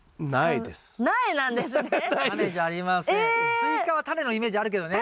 スイカはタネのイメージあるけどね。